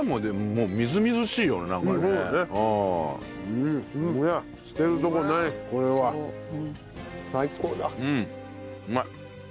うんうまい。